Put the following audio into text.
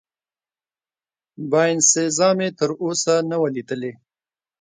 باینسیزا مې تراوسه نه وه لیدلې.